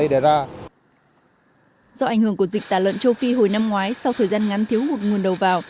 do ảnh hưởng của dịch tả lợn châu phi hồi năm ngoái sau thời gian ngắn thiếu hụt nguồn đầu vào